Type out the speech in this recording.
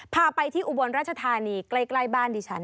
พาไปที่อุบลราชธานีใกล้บ้านดิฉัน